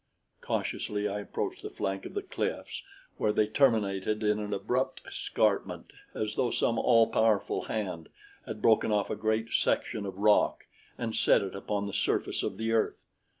Cautiously I approached the flank of the cliffs, where they terminated in an abrupt escarpment as though some all powerful hand had broken off a great section of rock and set it upon the surface of the earth.